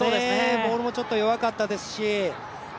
ボールもちょっと弱かったですし。